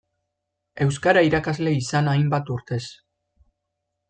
Euskara irakasle izana hainbat urtez.